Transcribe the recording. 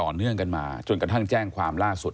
มีบอกว่าเป็นผู้การหรือรองผู้การไม่แน่ใจนะคะที่บอกเราในโทรศัพท์